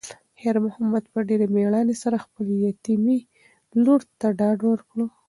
خیر محمد په ډېرې مېړانې سره خپلې یتیمې لور ته ډاډ ورکړ.